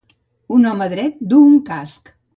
Un home dret duu un casc.